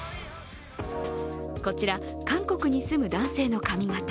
こちら韓国に住む男性の髪形。